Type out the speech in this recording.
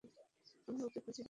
আমরা ওকে খুঁজে বের করবো।